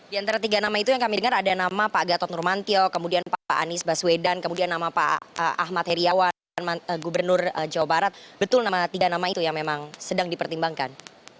di antara tiga nama itu yang kami dengar ada nama pak gatot nurmantio kemudian pak anies baswedan kemudian nama pak ahmad heriawan gubernur jawa barat betul tiga nama itu yang memang sedang dipertimbangkan